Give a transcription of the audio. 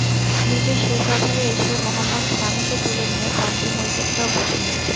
নিজের শেষ ওভারে এসে মোহাম্মদ সামিকে তুলে নিয়ে পঞ্চম উইকেটটাও বুঝে নিয়েছেন।